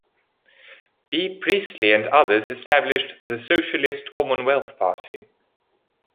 B. Priestley and others established the socialist Common Wealth Party.